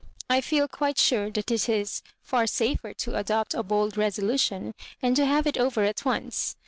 I feel quite sure that it is far safer to adopt a bold resolution, and to have it over at once.